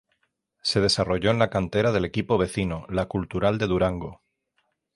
Se desarrolló en la cantera del equipo vecino, la Cultural de Durango.